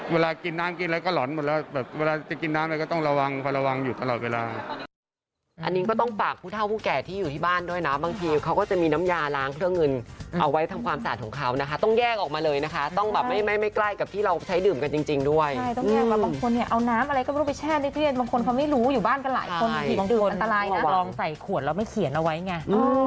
เวลากินน้ำกินอะไรก็หลอนหมดแล้วแบบเวลาจะกินน้ำอะไรก็ต้องระวังอยู่ตลอดเวลา